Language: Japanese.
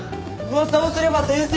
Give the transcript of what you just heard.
噂をすれば先生！